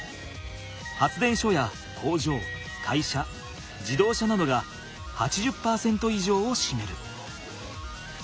発電所や工場会社自動車などが８０％以上をしめる。